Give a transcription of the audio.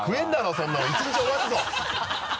そんなの１日終わるぞ！